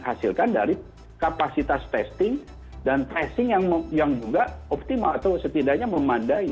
hasilkan dari kapasitas testing dan tracing yang juga optimal atau setidaknya memadai